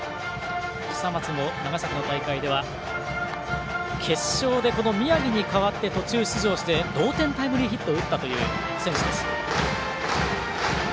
久松も長崎大会では決勝で宮城に代わって途中出場して同点タイムリーヒットを打ったという選手。